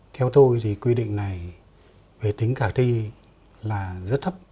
theo tôi thì quy định này về tính khả thi là rất thấp